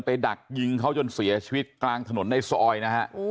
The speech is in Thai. ดักยิงเขาจนเสียชีวิตกลางถนนในซอยนะฮะ